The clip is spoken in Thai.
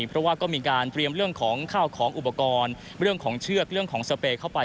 เพราะว่าก็มีการเตรียมเรื่องของข้าวของอุปกรณ์เรื่องของเชือกเรื่องของสเปย์เข้าไป